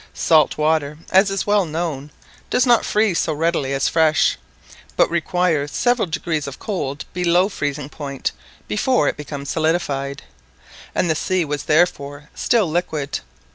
Salt water, as is well known, does not freeze so readily as fresh, but requires several degrees of cold below freezing point before it becomes solidified, and the sea was therefore still liquid.